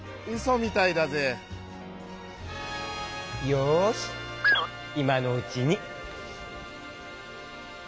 よしいまのうちに！